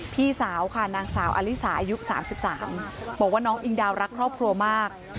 พี่สาวค่ะนางสาวอลิสาอายุ๓๓บอกว่าน้องอิงดาวรักครอบครัวมาก